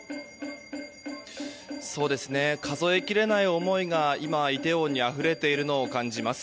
数えきれない思いが今イテウォンにあふれているのを感じます。